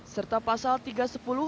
serta pasal tersebut